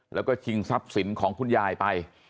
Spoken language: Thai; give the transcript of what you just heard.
แล้วก็ชิงทรัพย์สินของคุณยายไป